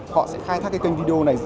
họ sẽ khai thác kênh video này